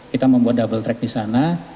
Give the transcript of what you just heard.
kita membuat double track di sana